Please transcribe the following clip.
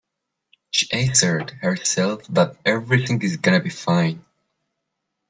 She assured herself that everything is gonna be fine.